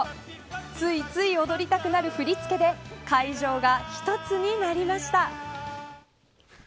ついつい踊りたくなる振り付けで会場が一つになりました。